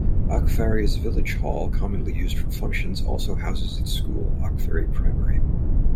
Achfary's village hall, commonly used for functions, also houses its school, Achfary Primary.